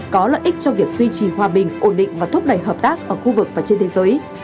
có lợi ích cho việc duy trì hòa bình ổn định và thúc đẩy hợp tác ở khu vực và trên thế giới